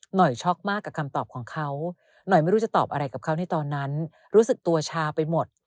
ช็อกมากกับคำตอบของเขาหน่อยไม่รู้จะตอบอะไรกับเขาในตอนนั้นรู้สึกตัวชาไปหมด